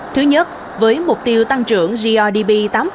thứ nhất với mục tiêu tăng trưởng grdp tám